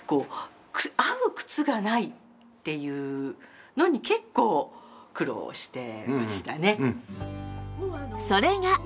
合う靴がないっていうのに結構苦労してましたね。